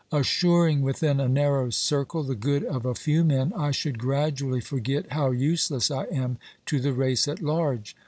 Assuring within a narrow circle the good of a 288 OBERMANN few men, I should gradually forget how useless I am to the race at large.